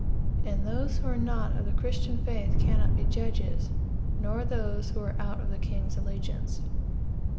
And those who are not of the Christian faith cannot be judges, nor those who are out of the king's allegiance."